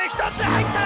入った！